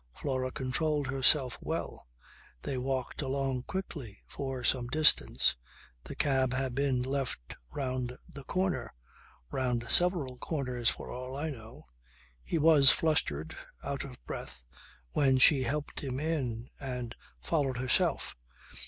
Flora controlled herself well. They walked along quickly for some distance. The cab had been left round the corner round several corners for all I know. He was flustered, out of breath, when she helped him in and followed herself.